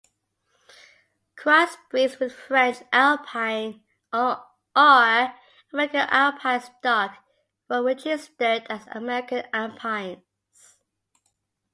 Crossbreeds with French Alpine or American Alpine stock were registered as American Alpines.